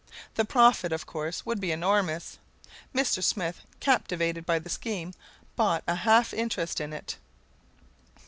The profit, of course, would be enormous. Mr. Smith, captivated by the scheme, bought a half interest in it.